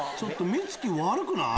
目つき悪くない？